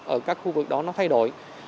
ở các khu vực đó nó thay đổi